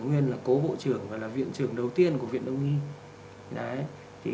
nguyên là cố bộ trưởng và là viện trưởng đầu tiên của viện đông y